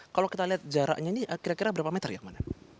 kalau kita lihat jaraknya ini kira kira berapa meter yang mana